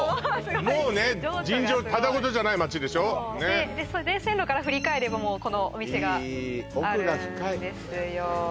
もうねただごとじゃない街でしょ線路から振り返ればもうこのお店がいい奥が深いあるんですよ